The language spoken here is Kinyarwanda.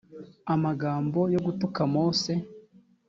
amagambo yo gutuka mose